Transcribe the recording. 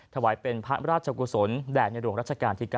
ถวายเป็นพระราชกุศรแดดใหญ่รวงราชการที่๙